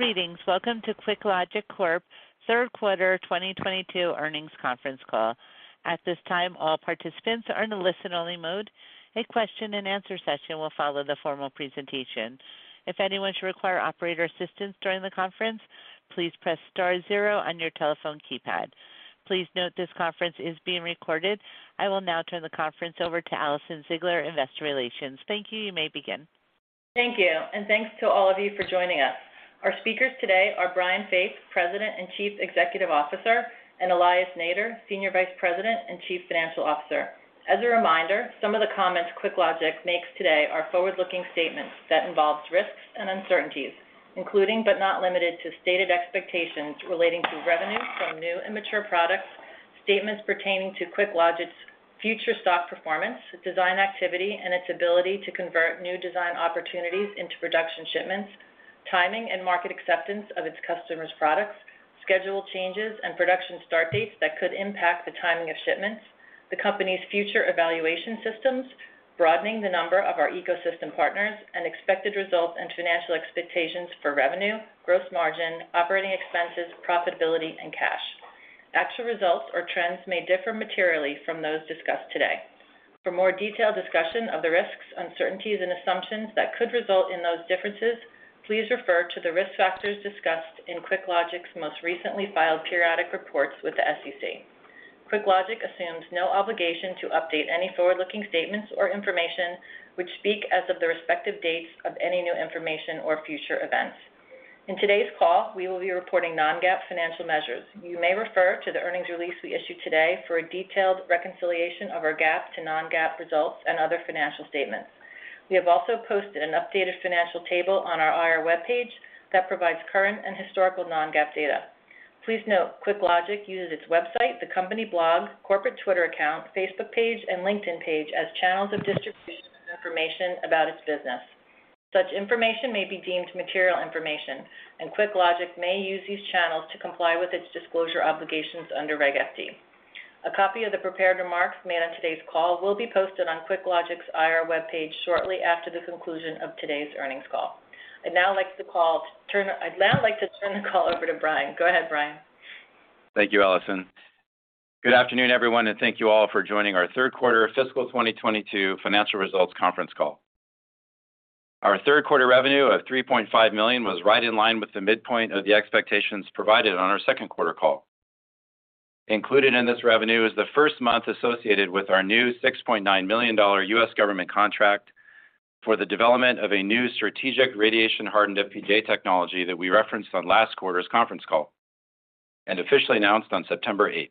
Greetings. Welcome to QuickLogic Corp third quarter 2022 earnings conference call. At this time, all participants are in a listen-only mode. A question and answer session will follow the formal presentation. If anyone should require operator assistance during the conference, please press star zero on your telephone keypad. Please note this conference is being recorded. I will now turn the conference over to Alison Ziegler, Investor Relations. Thank you. You may begin. Thank you, and thanks to all of you for joining us. Our speakers today are Brian Faith, President and Chief Executive Officer, and Elias Nader, Senior Vice President and Chief Financial Officer. As a reminder, some of the comments QuickLogic makes today are forward-looking statements that involves risks and uncertainties, including but not limited to stated expectations relating to revenue from new and mature products, statements pertaining to QuickLogic's future stock performance, design activity, and its ability to convert new design opportunities into production shipments, timing and market acceptance of its customers' products, schedule changes and production start dates that could impact the timing of shipments, the company's future evaluation systems, broadening the number of our ecosystem partners, and expected results and financial expectations for revenue, gross margin, operating expenses, profitability, and cash. Actual results or trends may differ materially from those discussed today. For more detailed discussion of the risks, uncertainties, and assumptions that could result in those differences, please refer to the risk factors discussed in QuickLogic's most recently filed periodic reports with the SEC. QuickLogic assumes no obligation to update any forward-looking statements or information which speak as of the respective dates of any new information or future events. In today's call, we will be reporting non-GAAP financial measures. You may refer to the earnings release we issued today for a detailed reconciliation of our GAAP to non-GAAP results and other financial statements. We have also posted an updated financial table on our IR webpage that provides current and historical non-GAAP data. Please note, QuickLogic uses its website, the company blog, corporate Twitter account, Facebook page, and LinkedIn page as channels of distribution of information about its business. Such information may be deemed material information, and QuickLogic may use these channels to comply with its disclosure obligations under Reg FD. A copy of the prepared remarks made on today's call will be posted on QuickLogic's IR webpage shortly after the conclusion of today's earnings call. I'd now like to turn the call over to Brian. Go ahead, Brian. Thank you, Alison. Good afternoon, everyone, and thank you all for joining our third quarter fiscal 2022 financial results conference call. Our third quarter revenue of $3.5 million was right in line with the midpoint of the expectations provided on our second quarter call. Included in this revenue is the first month associated with our new $6.9 million U.S. government contract for the development of a new strategic radiation-hardened FPGA technology that we referenced on last quarter's conference call and officially announced on September 8th.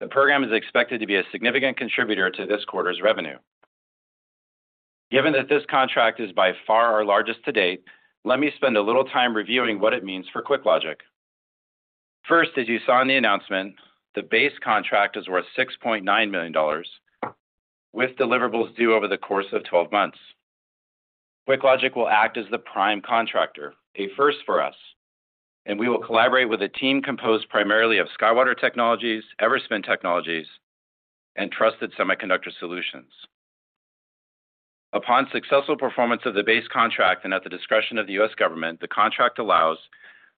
The program is expected to be a significant contributor to this quarter's revenue. Given that this contract is by far our largest to date, let me spend a little time reviewing what it means for QuickLogic. First, as you saw in the announcement, the base contract is worth $6.9 million with deliverables due over the course of 12 months. QuickLogic will act as the prime contractor, a first for us, and we will collaborate with a team composed primarily of SkyWater Technology, Everspin Technologies, and Trusted Semiconductor Solutions. Upon successful performance of the base contract and at the discretion of the U.S. government, the contract allows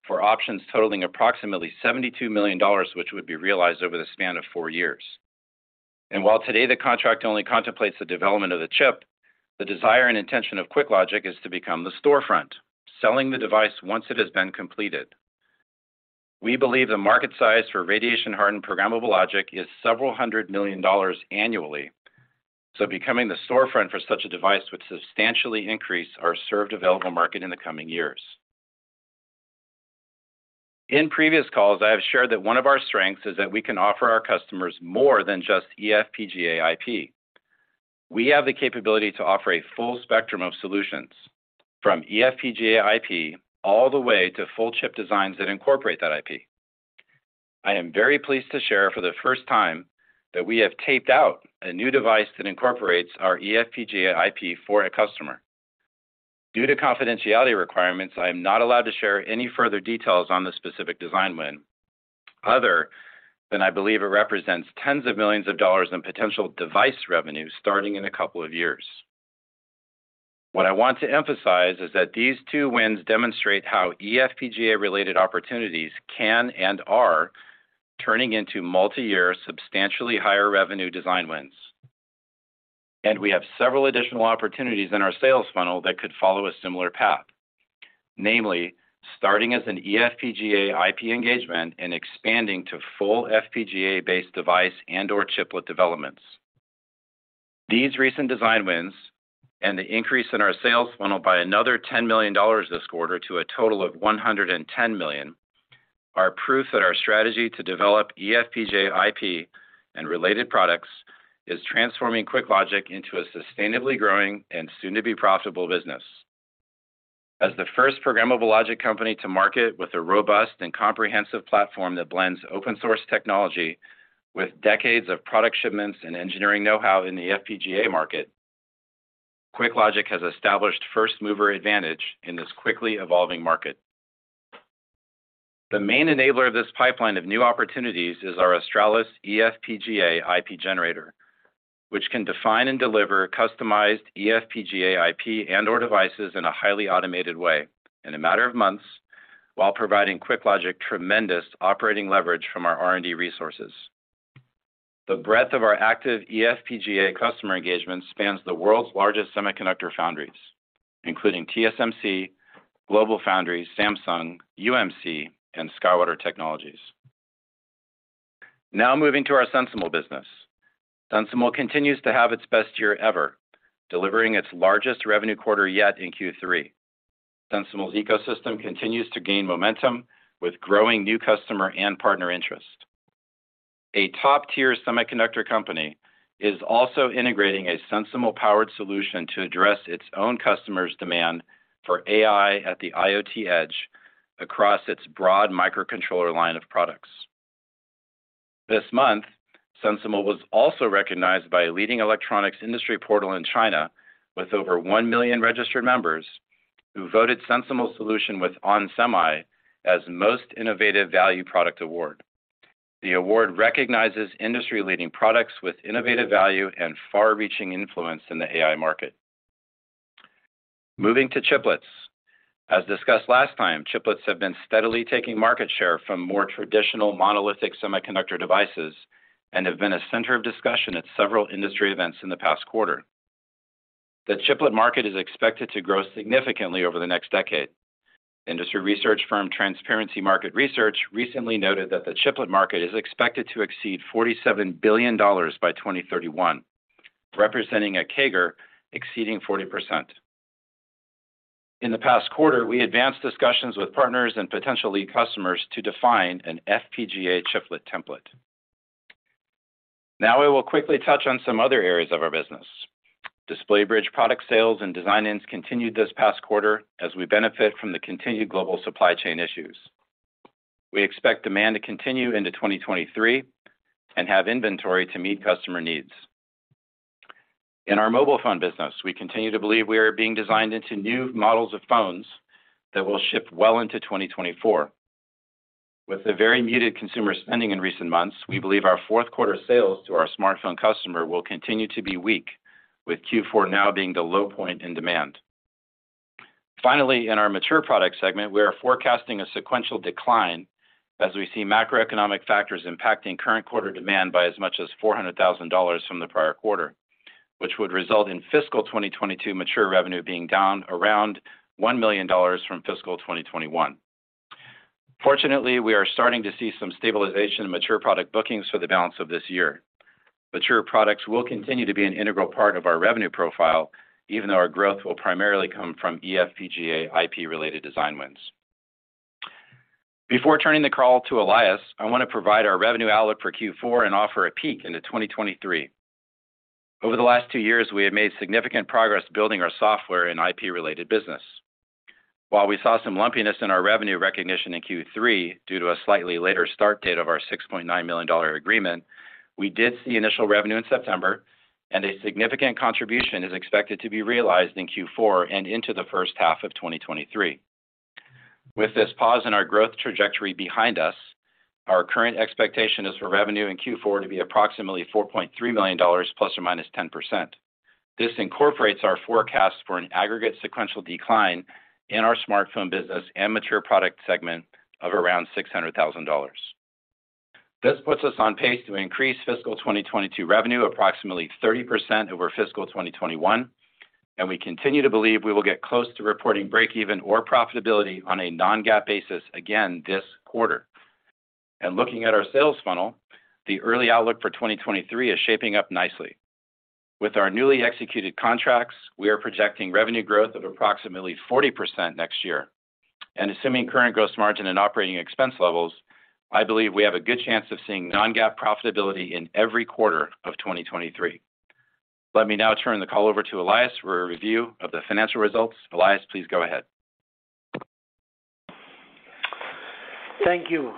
for options totaling approximately $72 million, which would be realized over the span of four years. While today the contract only contemplates the development of the chip, the desire and intention of QuickLogic is to become the storefront, selling the device once it has been completed. We believe the market size for radiation-hardened programmable logic is several hundred million annually, so becoming the storefront for such a device would substantially increase our served available market in the coming years. In previous calls, I have shared that one of our strengths is that we can offer our customers more than just eFPGA IP. We have the capability to offer a full spectrum of solutions, from eFPGA IP all the way to full chip designs that incorporate that IP. I am very pleased to share for the first time that we have taped out a new device that incorporates our eFPGA IP for a customer. Due to confidentiality requirements, I am not allowed to share any further details on this specific design win other than I believe it represents tens of millions in potential device revenue starting in a couple of years. What I want to emphasize is that these two wins demonstrate how eFPGA-related opportunities can and are turning into multi-year, substantially higher revenue design wins. We have several additional opportunities in our sales funnel that could follow a similar path, namely starting as an eFPGA IP engagement and expanding to full FPGA-based device and/or chiplet developments. These recent design wins and the increase in our sales funnel by another $10 million this quarter to a total of $110 million are proof that our strategy to develop eFPGA IP and related products is transforming QuickLogic into a sustainably growing and soon-to-be profitable business. As the first programmable logic company to market with a robust and comprehensive platform that blends open-source technology with decades of product shipments and engineering know-how in the FPGA market, QuickLogic has established first-mover advantage in this quickly evolving market. The main enabler of this pipeline of new opportunities is our Australis eFPGA IP generator, which can define and deliver customized eFPGA IP and/or devices in a highly automated way in a matter of months, while providing QuickLogic tremendous operating leverage from our R&D resources. The breadth of our active eFPGA customer engagement spans the world's largest semiconductor foundries, including TSMC, GlobalFoundries, Samsung, UMC, and SkyWater Technology. Now moving to our SensiML business. SensiML continues to have its best year ever, delivering its largest revenue quarter yet in Q3. SensiML's ecosystem continues to gain momentum with growing new customer and partner interest. A top-tier semiconductor company is also integrating a SensiML-powered solution to address its own customers' demand for AI at the IoT edge across its broad microcontroller line of products. This month, SensiML was also recognized by a leading electronics industry portal in China with over 1 million registered members who voted SensiML solution with onsemi as Most Innovative Value Product Award. The award recognizes industry-leading products with innovative value and far-reaching influence in the AI market. Moving to chiplets. As discussed last time, chiplets have been steadily taking market share from more traditional monolithic semiconductor devices and have been a center of discussion at several industry events in the past quarter. The chiplet market is expected to grow significantly over the next decade. Industry research firm Transparency Market Research recently noted that the chiplet market is expected to exceed $47 billion by 2031, representing a CAGR exceeding 40%. In the past quarter, we advanced discussions with partners and potential lead customers to define an FPGA chiplet template. Now we will quickly touch on some other areas of our business. Display Bridge product sales and design-ins continued this past quarter as we benefit from the continued global supply chain issues. We expect demand to continue into 2023 and have inventory to meet customer needs. In our mobile phone business, we continue to believe we are being designed into new models of phones that will ship well into 2024. With the very muted consumer spending in recent months, we believe our fourth quarter sales to our smartphone customer will continue to be weak, with Q4 now being the low point in demand. Finally, in our mature product segment, we are forecasting a sequential decline as we see macroeconomic factors impacting current quarter demand by as much as $400,000 from the prior quarter, which would result in fiscal 2022 mature revenue being down around $1 million from fiscal 2021. Fortunately, we are starting to see some stabilization in mature product bookings for the balance of this year. Mature products will continue to be an integral part of our revenue profile, even though our growth will primarily come from eFPGA IP-related design wins. Before turning the call to Elias, I want to provide our revenue outlook for Q4 and offer a peek into 2023. Over the last two years, we have made significant progress building our software and IP-related business. While we saw some lumpiness in our revenue recognition in Q3 due to a slightly later start date of our $6.9 million agreement, we did see initial revenue in September, and a significant contribution is expected to be realized in Q4 and into the first half of 2023. With this pause in our growth trajectory behind us, our current expectation is for revenue in Q4 to be approximately $4.3 million ±10%. This incorporates our forecast for an aggregate sequential decline in our smartphone business and mature product segment of around $600,000. This puts us on pace to increase fiscal 2022 revenue approximately 30% over fiscal 2021, and we continue to believe we will get close to reporting breakeven or profitability on a non-GAAP basis again this quarter. Looking at our sales funnel, the early outlook for 2023 is shaping up nicely. With our newly executed contracts, we are projecting revenue growth of approximately 40% next year. Assuming current gross margin and operating expense levels, I believe we have a good chance of seeing non-GAAP profitability in every quarter of 2023. Let me now turn the call over to Elias for a review of the financial results. Elias, please go ahead. Thank you,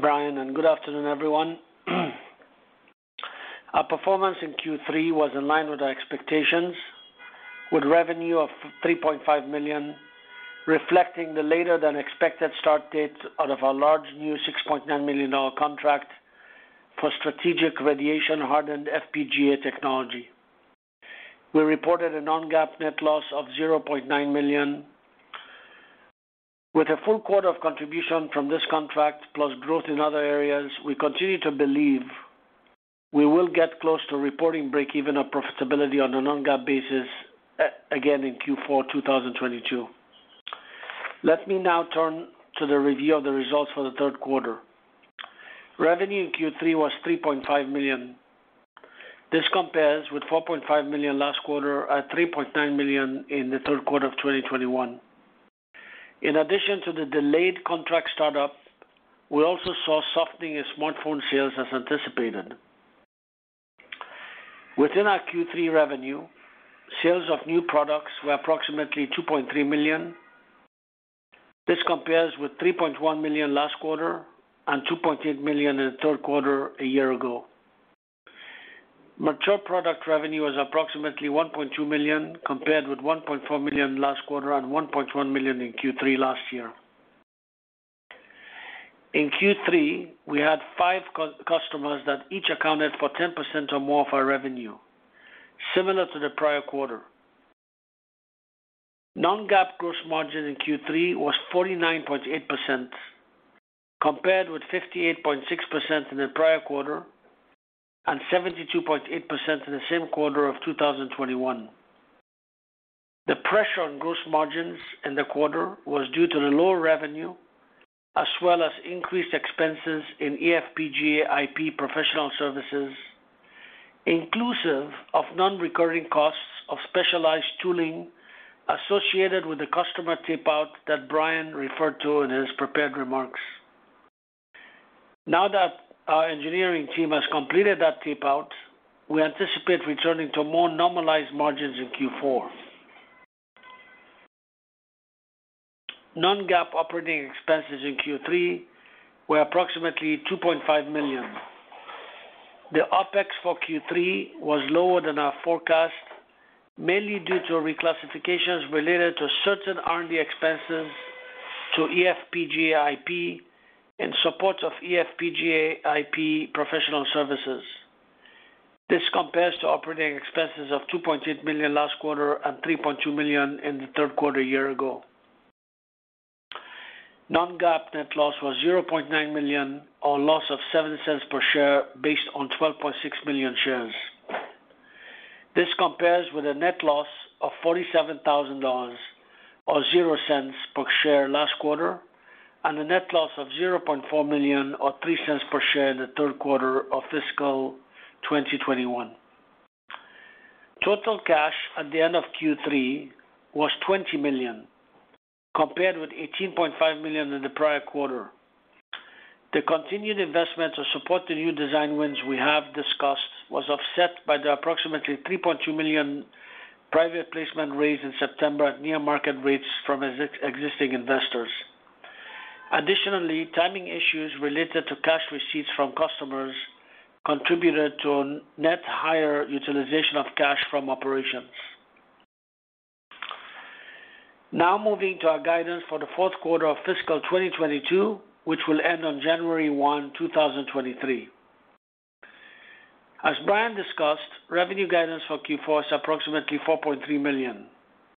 Brian, and good afternoon, everyone. Our performance in Q3 was in line with our expectations with revenue of $3.5 million, reflecting the later than expected start date out of our large new $6.9 million contract for strategic radiation-hardened FPGA technology. We reported a non-GAAP net loss of $0.9 million. With a full quarter of contribution from this contract plus growth in other areas, we continue to believe we will get close to reporting breakeven or profitability on a non-GAAP basis again in Q4 2022. Let me now turn to the review of the results for the third quarter. Revenue in Q3 was $3.5 million. This compares with $4.5 million last quarter and $3.9 million in the third quarter of 2021. In addition to the delayed contract startup, we also saw softening in smartphone sales as anticipated. Within our Q3 revenue, sales of new products were approximately $2.3 million. This compares with $3.1 million last quarter and $2.8 million in the third quarter a year ago. Mature product revenue was approximately $1.2 million compared with $1.4 million last quarter and $1.1 million in Q3 last year. In Q3, we had five customers that each accounted for 10% or more of our revenue, similar to the prior quarter. non-GAAP gross margin in Q3 was 49.8%, compared with 58.6% in the prior quarter and 72.8% in the same quarter of 2021. The pressure on gross margins in the quarter was due to the lower revenue as well as increased expenses in eFPGA IP professional services, inclusive of non-recurring costs of specialized tooling associated with the customer tape-out that Brian referred to in his prepared remarks. Now that our engineering team has completed that tape-out, we anticipate returning to more normalized margins in Q4. Non-GAAP operating expenses in Q3 were approximately $2.5 million. The OpEx for Q3 was lower than our forecast, mainly due to reclassifications related to certain R&D expenses to eFPGA IP in support of eFPGA IP professional services. This compares to operating expenses of $2.8 million last quarter and $3.2 million in the third quarter a year ago. Non-GAAP net loss was $0.9 million on loss of $0.07 per share based on 12.6 million shares. This compares with a net loss of $47,000 or $0.00 per share last quarter and a net loss of $0.4 million or $0.03 per share in the third quarter of fiscal 2021. Total cash at the end of Q3 was $20 million, compared with $18.5 million in the prior quarter. The continued investment to support the new design wins we have discussed was offset by the approximately $3.2 million private placement raised in September at near market rates from existing investors. Additionally, timing issues related to cash receipts from customers contributed to a net higher utilization of cash from operations. Now moving to our guidance for the fourth quarter of fiscal 2022, which will end on January 1, 2023. As Brian discussed, revenue guidance for Q4 is approximately $4.3 million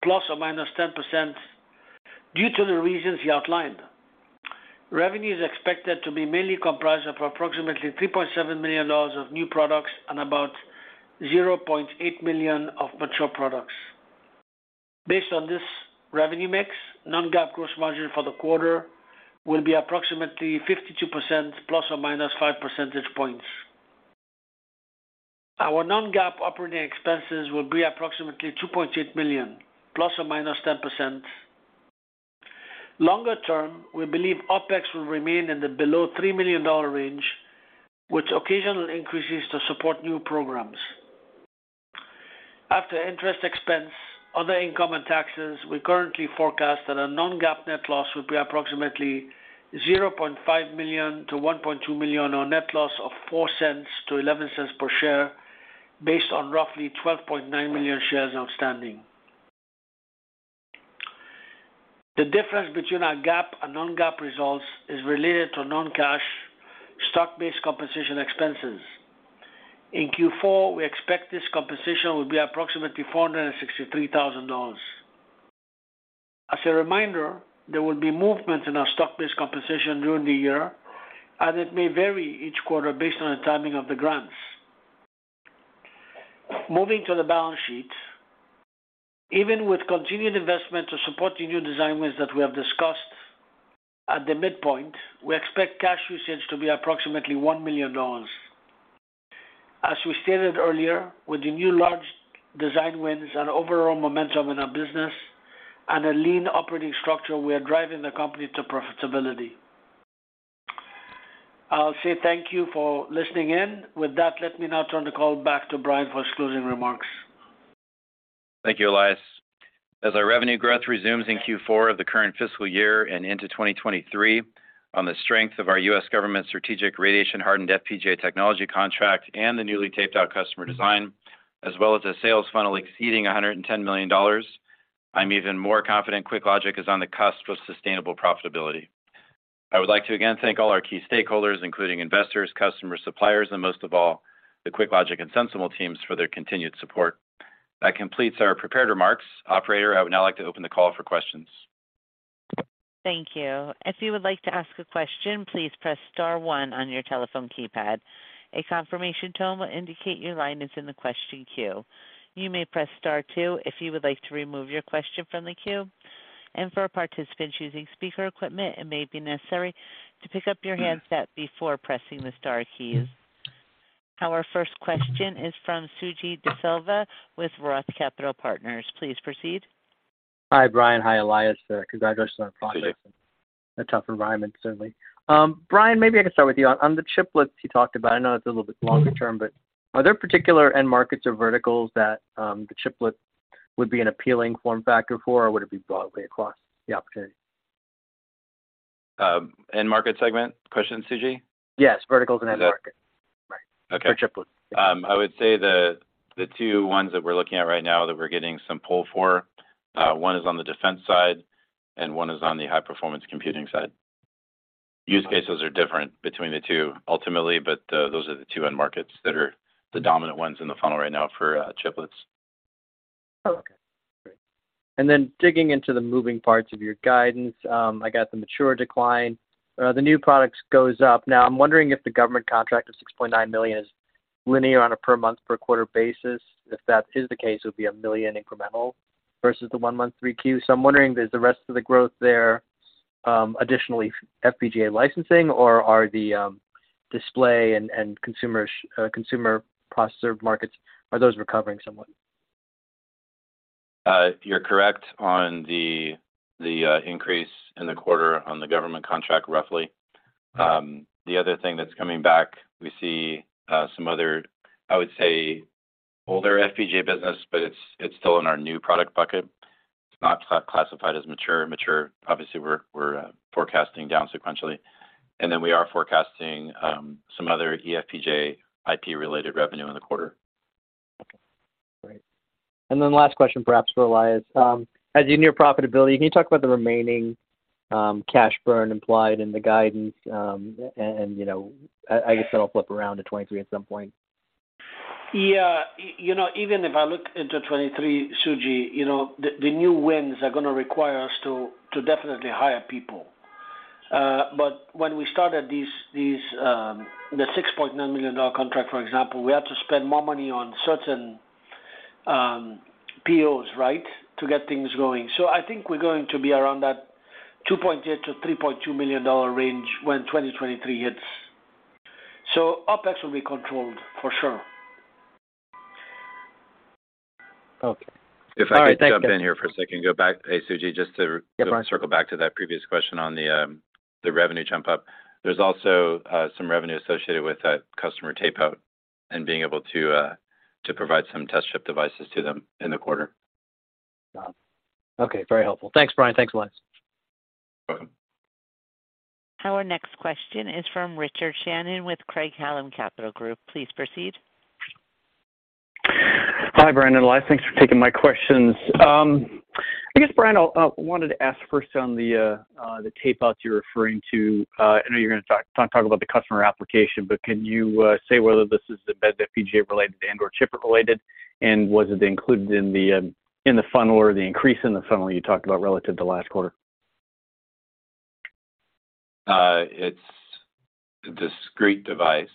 ±10% due to the reasons he outlined. Revenue is expected to be mainly comprised of approximately $3.7 million of new products and about $0.8 million of mature products. Based on this revenue mix, non-GAAP gross margin for the quarter will be approximately 52% ±5 percentage points. Our non-GAAP operating expenses will be approximately $2.8 million ±10%. Longer term, we believe OpEx will remain below $3 million range, with occasional increases to support new programs. After interest expense, other income and taxes, we currently forecast that our non-GAAP net loss will be approximately $0.5 million-$1.2 million on net loss of $0.04-$0.11 per share based on roughly 12.9 million shares outstanding. The difference between our GAAP and non-GAAP results is related to non-cash stock-based compensation expenses. In Q4, we expect this compensation will be approximately $463,000. As a reminder, there will be movement in our stock-based compensation during the year, and it may vary each quarter based on the timing of the grants. Moving to the balance sheet. Even with continued investment to support the new design wins that we have discussed at the midpoint, we expect cash usage to be approximately $1 million. As we stated earlier, with the new large design wins and overall momentum in our business and a lean operating structure, we are driving the company to profitability. I'll say thank you for listening in. With that, let me now turn the call back to Brian for his closing remarks. Thank you, Elias. As our revenue growth resumes in Q4 of the current fiscal year and into 2023 on the strength of our U.S. government strategic radiation-hardened FPGA technology contract and the newly taped out customer design, as well as a sales funnel exceeding $110 million, I'm even more confident QuickLogic is on the cusp of sustainable profitability. I would like to again thank all our key stakeholders, including investors, customers, suppliers, and most of all, the QuickLogic and SensiML teams for their continued support. That completes our prepared remarks. Operator, I would now like to open the call for questions. Thank you. If you would like to ask a question, please press star one on your telephone keypad. A confirmation tone will indicate your line is in the question queue. You may press star two if you would like to remove your question from the queue. For participants using speaker equipment, it may be necessary to pick up your handset before pressing the star keys. Our first question is from Suji Desilva with Roth Capital Partners. Please proceed. Hi, Brian. Hi, Elias. Congratulations on the progress in a tough environment, certainly. Brian, maybe I can start with you. On the chiplets you talked about, I know it's a little bit longer term, but are there particular end markets or verticals that the chiplets would be an appealing form factor for? Or would it be broadly across the opportunity? End market segment question, Suji? Yes, verticals and end market. Is that? Right. Okay. For chiplets. I would say the two ones that we're looking at right now that we're getting some pull for, one is on the defense side and one is on the high-performance computing side. Use cases are different between the two ultimately, but those are the two end markets that are the dominant ones in the funnel right now for chiplets. Okay. Great. Digging into the moving parts of your guidance, I got the mature decline. The new products goes up. Now, I'm wondering if the government contract of $6.9 million is linear on a per month per quarter basis. If that is the case, it would be $1 million incremental versus the one month 3Q. I'm wondering is the rest of the growth there, additionally FPGA licensing or are the display and consumer processor markets, are those recovering somewhat? You're correct on the increase in the quarter on the government contract roughly. The other thing that's coming back, we see some other, I would say older FPGA business, but it's still in our new product bucket. It's not classified as mature. Obviously we're forecasting down sequentially. We are forecasting some other eFPGA IP-related revenue in the quarter. Okay. Great. Last question, perhaps for Elias. As you near profitability, can you talk about the remaining cash burn implied in the guidance? You know, I guess that'll flip around at 2023 at some point. Yeah. You know, even if I look into 2023, Suji, you know, the new wins are gonna require us to definitely hire people. When we started these the $6.9 million contract, for example, we had to spend more money on certain POs, right? To get things going. I think we're going to be around that $2.8 million-$3.2 million range when 2023 hits. OpEx will be controlled for sure. Okay. All right. Thank you. If I could jump in here for a second. Go back. Hey, Suji, Yeah, Brian. Circle back to that previous question on the revenue jump up. There's also some revenue associated with that customer tape-out and being able to provide some test chip devices to them in the quarter. Got it. Okay. Very helpful. Thanks, Brian. Thanks, Elias. You're welcome. Our next question is from Richard Shannon with Craig-Hallum Capital Group. Please proceed. Hi, Brian and Elias. Thanks for taking my questions. I guess, Brian, I wanted to ask first on the tape-outs you're referring to. I know you're gonna talk about the customer application, but can you say whether this is embedded FPGA related and/or chiplet related, and was it included in the funnel or the increase in the funnel you talked about relative to last quarter? It's a discrete device,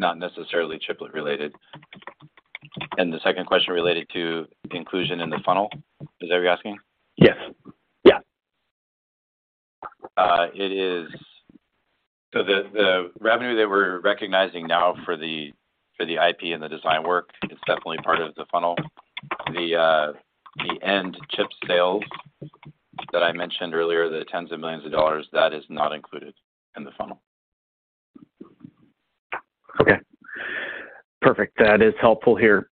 not necessarily chiplet related. The second question related to inclusion in the funnel, is that what you're asking? Yes. Yeah. The revenue that we're recognizing now for the IP and the design work is definitely part of the funnel. The end chip sales that I mentioned earlier, the tens of millions, that is not included in the funnel. Okay. Perfect. That is helpful here.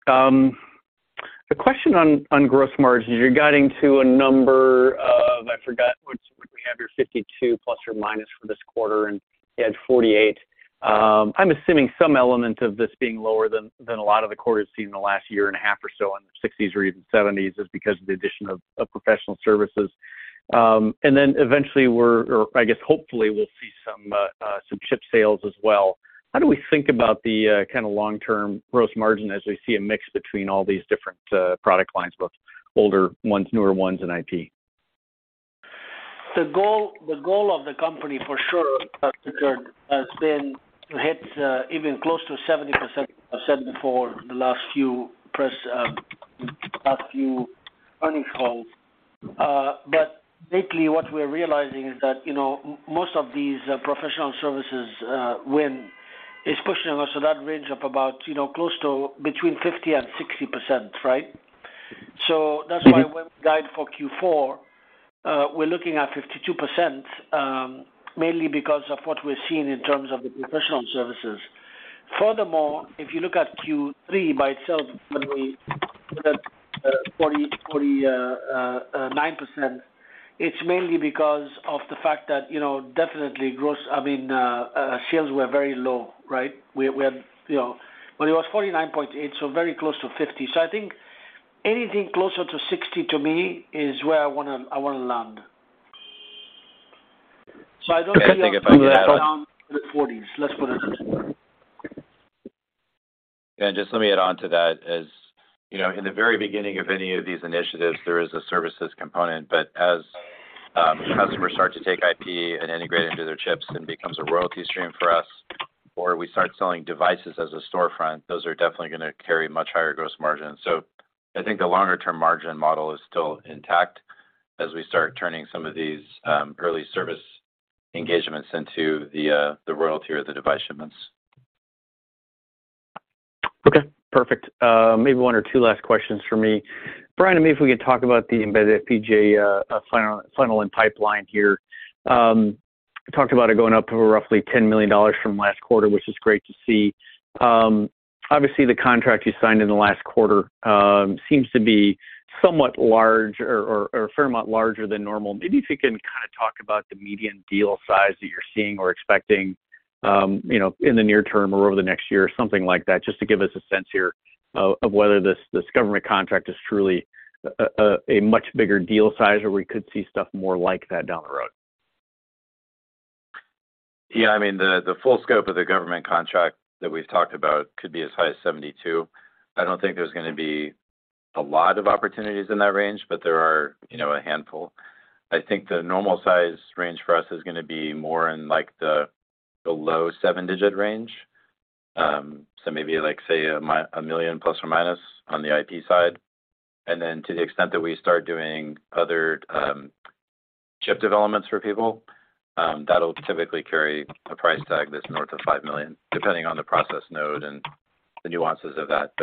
A question on gross margins. You're guiding to a number of, I forgot which, what we have here, 52%± for this quarter, and you had 48%. I'm assuming some element of this being lower than a lot of the quarters seen in the last 1.5 years or so in the 60s or even 70s is because of the addition of professional services. Eventually or I guess hopefully we'll see some chip sales as well. How do we think about the kinda long-term gross margin as we see a mix between all these different product lines, both older ones, newer ones, and IP? The goal of the company for sure, Richard, has been to hit even close to 70%. I've said before the last few earnings calls. But lately what we're realizing is that, you know, most of these professional services wins are pushing us to that range of about, you know, close to between 50% and 60%, right? That's why. Mm-hmm. When we guide for Q4, we're looking at 52%, mainly because of what we're seeing in terms of the professional services. Furthermore, if you look at Q3 by itself, when we looked at 49%, it's mainly because of the fact that, you know, definitely I mean sales were very low, right? We had, you know. It was 49.8%, so very close to 50%. I think anything closer to 60%, to me, is where I wanna land. I don't see us I think if I could add. Going down the forties, let's put it that way. Yeah, just let me add on to that, as, you know, in the very beginning of any of these initiatives, there is a services component, but as, customers start to take IP and integrate into their chips and becomes a royalty stream for us, or we start selling devices as a storefront, those are definitely gonna carry much higher gross margin. I think the longer term margin model is still intact as we start turning some of these, early service engagements into the royalty or the device shipments. Okay. Perfect. Maybe one or two last questions for me. Brian, maybe if we could talk about the embedded FPGA, funnel and pipeline here. We talked about it going up to roughly $10 million from last quarter, which is great to see. Obviously, the contract you signed in the last quarter seems to be somewhat large or a fair amount larger than normal. Maybe if you can kind of talk about the median deal size that you're seeing or expecting, you know, in the near term or over the next year, something like that, just to give us a sense here of whether this government contract is truly a much bigger deal size or we could see stuff more like that down the road. Yeah. I mean, the full scope of the government contract that we've talked about could be as high as $72 million. I don't think there's gonna be a lot of opportunities in that range, but there are, you know, a handful. I think the normal size range for us is gonna be more in, like, the low seven-digit range. So maybe, like, say, $1 million± on the IP side. Then to the extent that we start doing other chip developments for people, that'll typically carry a price tag that's north of $5 million, depending on the process node and the nuances of that.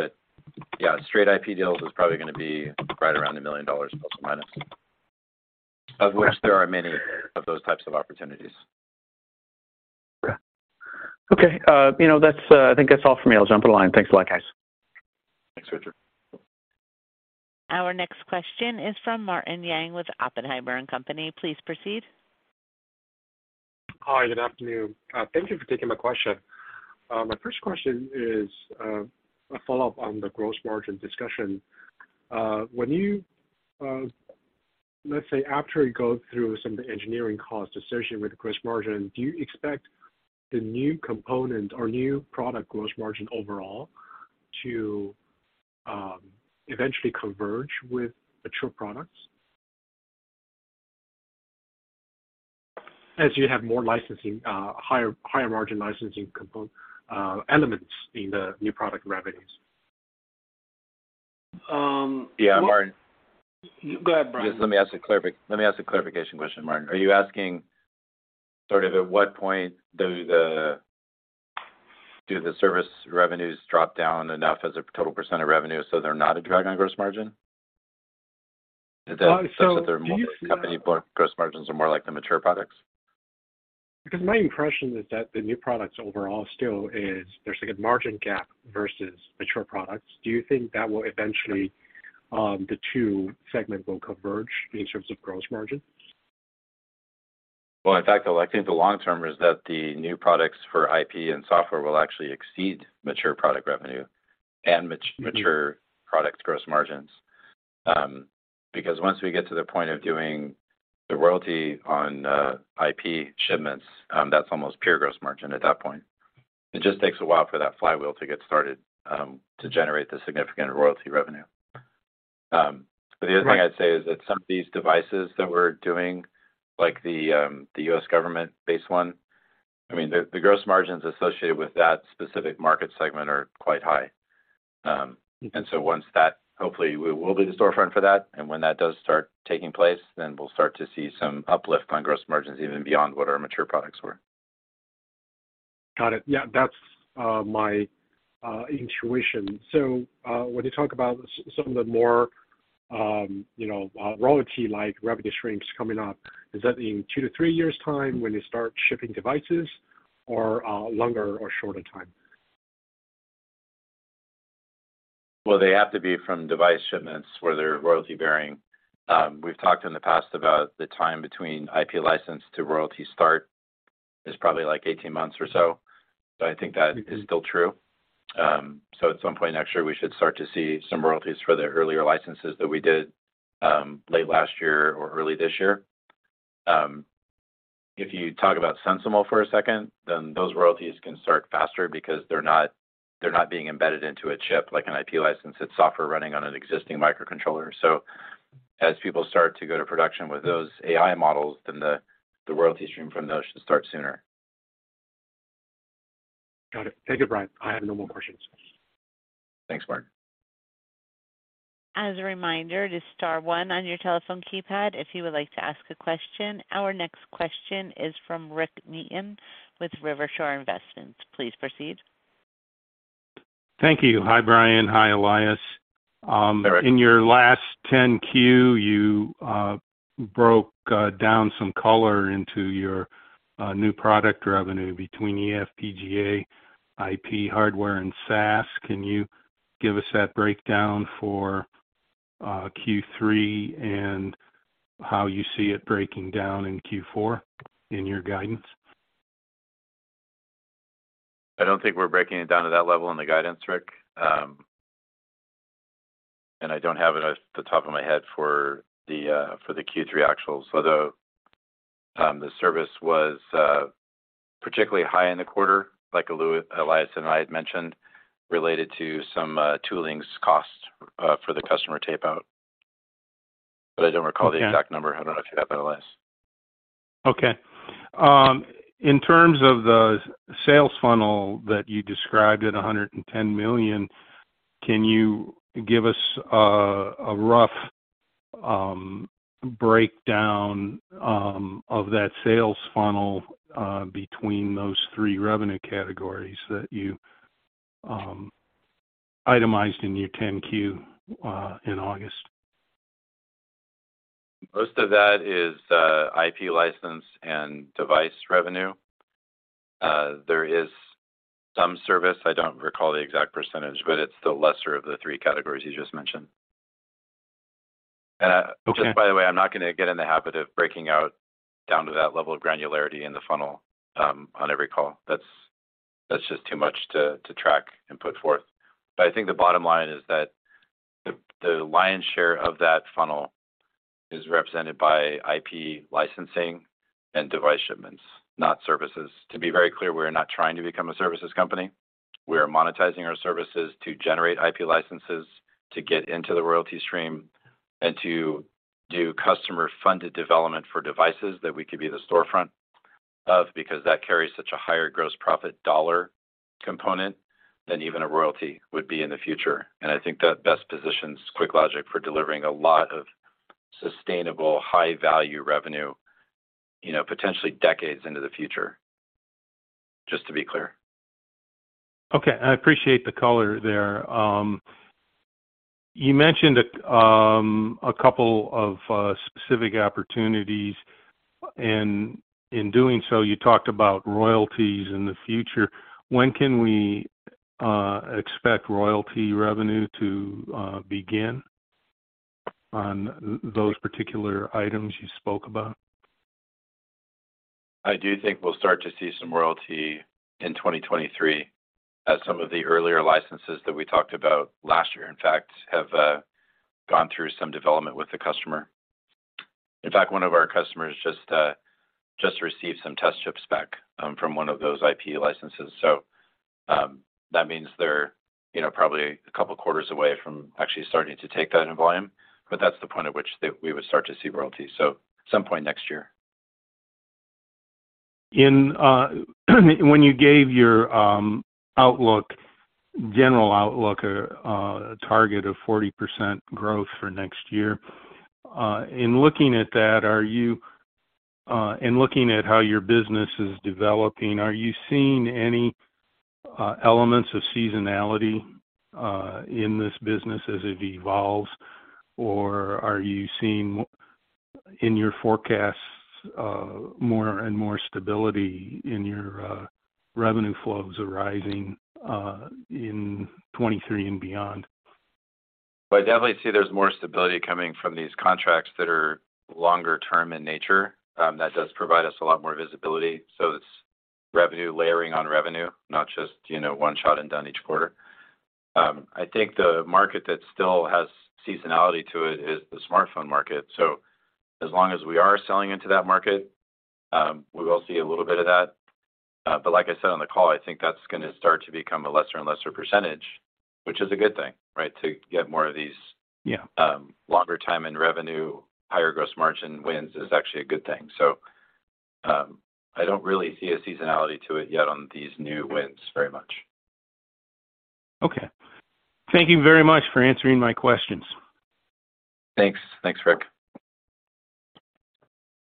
Yeah, straight IP deals is probably gonna be right around $1 million±. Okay. Of which there are many of those types of opportunities. Okay. You know, that's, I think that's all for me. I'll jump on the line. Thanks a lot, guys. Thanks, Richard. Our next question is from Martin Yang with Oppenheimer & Co. Please proceed. Hi, good afternoon. Thank you for taking my question. My first question is a follow-up on the gross margin discussion. When you, let's say, after you go through some of the engineering costs associated with the gross margin, do you expect the new component or new product gross margin overall to eventually converge with mature products as you have more licensing, higher margin licensing elements in the new product revenues? Yeah, Martin. Go ahead, Brian. Let me ask a clarification question, Martin. Are you asking sort of at what point do the service revenues drop down enough as a total percent of revenue so they're not a drag on gross margin? Do you see? That they're more like company gross margins are more like the mature products? My impression is that the new products overall still is there's like a margin gap versus mature products. Do you think that will eventually, the two segments will converge in terms of gross margin? Well, in fact, I think the long term is that the new products for IP and software will actually exceed mature product revenue and mature product gross margins. Because once we get to the point of doing the royalty on IP shipments, that's almost pure gross margin at that point. It just takes a while for that flywheel to get started to generate the significant royalty revenue. But the other thing I'd say is that some of these devices that we're doing, like the U.S. government-based one, I mean, the gross margins associated with that specific market segment are quite high. Once that hopefully we will be the storefront for that. When that does start taking place, we'll start to see some uplift on gross margins even beyond what our mature products were. Got it. Yeah. That's my intuition. When you talk about some of the more royalty-like revenue streams coming up, is that in two-three years' time when you start shipping devices or longer or shorter time? Well, they have to be from device shipments where they're royalty-bearing. We've talked in the past about the time between IP license to royalty start is probably like 18 months or so, but I think that is still true. At some point next year, we should start to see some royalties for the earlier licenses that we did, late last year or early this year. If you talk about SensiML for a second, then those royalties can start faster because they're not being embedded into a chip like an IP license. It's software running on an existing microcontroller. As people start to go to production with those AI models, then the royalty stream from those should start sooner. Got it. Thank you, Brian. I have no more questions. Thanks, Martin. As a reminder, it is star one on your telephone keypad if you would like to ask a question. Our next question is from Rick Neaton with Rivershore Investment. Please proceed. Thank you. Hi, Brian. Hi, Elias. Hi, Rick. In your last 10-Q, you broke down some color into your new product revenue between eFPGA, IP, hardware, and SaaS. Can you give us that breakdown for Q3 and how you see it breaking down in Q4 in your guidance? I don't think we're breaking it down to that level in the guidance, Rick. I don't have it at the top of my head for the Q3 actuals, although the service was particularly high in the quarter, like Elias and I had mentioned, related to some tooling costs for the customer tape out. I don't recall the exact number. I don't know if you have that, Elias. Okay. In terms of the sales funnel that you described at $110 million, can you give us a rough breakdown of that sales funnel between those three revenue categories that you itemized in your 10-Q in August? Most of that is, IP license and device revenue. There is some service, I don't recall the exact percentage, but it's the lesser of the three categories you just mentioned. Okay. Just by the way, I'm not gonna get in the habit of breaking it down to that level of granularity in the funnel on every call. That's just too much to track and put forth. I think the bottom line is that the lion's share of that funnel is represented by IP licensing and device shipments, not services. To be very clear, we're not trying to become a services company. We are monetizing our services to generate IP licenses to get into the royalty stream and to do customer-funded development for devices that we could be the storefront of, because that carries such a higher gross profit dollar component than even a royalty would be in the future. I think that best positions QuickLogic for delivering a lot of sustainable high value revenue, you know, potentially decades into the future, just to be clear. Okay. I appreciate the color there. You mentioned a couple of specific opportunities, and in doing so, you talked about royalties in the future. When can we expect royalty revenue to begin on those particular items you spoke about? I do think we'll start to see some royalty in 2023, as some of the earlier licenses that we talked about last year, in fact, have gone through some development with the customer. In fact, one of our customers just received some test chips back from one of those IP licenses. That means they're, you know, probably a couple quarters away from actually starting to take that in volume, but that's the point at which they we would start to see royalties. Some point next year. When you gave your general outlook, a target of 40% growth for next year, in looking at how your business is developing, are you seeing any elements of seasonality in this business as it evolves? Or are you seeing in your forecasts more and more stability in your revenue flows arising in 2023 and beyond? Well, I definitely see there's more stability coming from these contracts that are longer term in nature. That does provide us a lot more visibility, so it's revenue layering on revenue, not just, you know, one shot and done each quarter. I think the market that still has seasonality to it is the smartphone market. As long as we are selling into that market, we will see a little bit of that. Like I said on the call, I think that's gonna start to become a lesser and lesser percentage, which is a good thing, right? To get more of these. Yeah. Longer time in revenue, higher gross margin wins is actually a good thing. I don't really see a seasonality to it yet on these new wins very much. Okay. Thank you very much for answering my questions. Thanks. Thanks, Rick.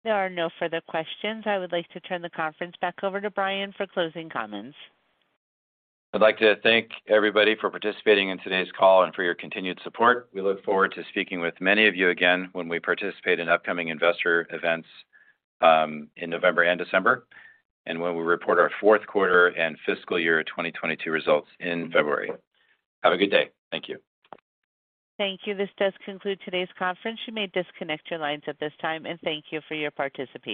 There are no further questions. I would like to turn the conference back over to Brian for closing comments. I'd like to thank everybody for participating in today's call and for your continued support. We look forward to speaking with many of you again when we participate in upcoming investor events, in November and December, and when we report our fourth quarter and fiscal year 2022 results in February. Have a good day. Thank you. Thank you. This does conclude today's conference. You may disconnect your lines at this time, and thank you for your participation.